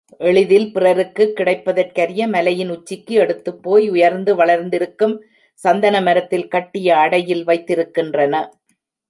எளிதில் பிறருக்குக் கிடைப்பதற்கரிய மலையின் உச்சிக்கு எடுத்துப் போய் உயர்ந்து வளர்ந்திருக்கும் சந்தன மரத்தில் கட்டிய அடையில் வைத்திருக்கின்றன.